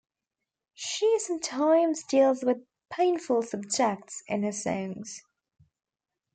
She sometimes deals with painful subjects in her songs.